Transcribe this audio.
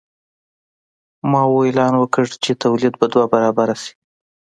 ماوو اعلان وکړ چې تولید به دوه برابره شي.